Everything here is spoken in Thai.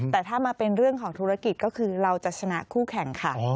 แต่ถ้ามาเป็นเรื่องของธุรกิจก็คือเราจะชนะคู่แข่งค่ะ